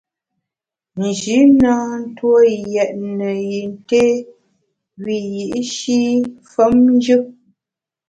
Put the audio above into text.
Nji na ntue yètne yin té wiyi’shi femnjù.